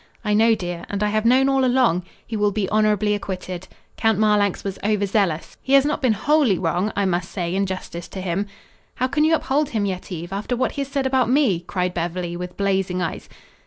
"I know, dear, and I have known all along. He will be honorably acquitted. Count Marlanx was overzealous. He has not been wholly wrong, I must say in justice to him " "How can you uphold him, Yetive, after what he has said about me?" cried Beverly, with blazing eyes.